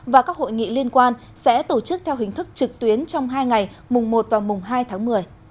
và các hội nghị liên quan sẽ tổ chức theo hình thức trực tuyến trong hai ngày mùng một và mùng hai tháng một mươi